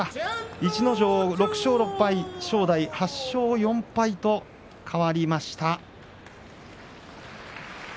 逸ノ城、６勝６敗正代８勝４敗と変わりました。